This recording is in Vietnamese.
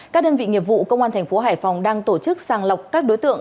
các đơn vị nghiệp vụ công an thành phố hải phòng đang tổ chức sàng lọc các đối tượng